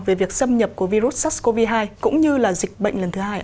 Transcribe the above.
về việc xâm nhập của virus sars cov hai cũng như là dịch bệnh lần thứ hai